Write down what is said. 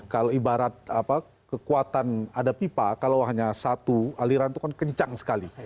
kalau ibarat kekuatan ada pipa kalau hanya satu aliran itu kan kencang sekali